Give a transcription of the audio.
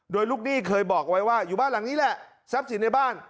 โดยลูกหนี้เคยบอกเอาไว้ว่าอยู่บ้านหลังนี้แหละทรัพย์สินในบ้าน